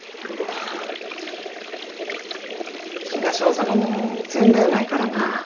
東大阪も前例ないからな。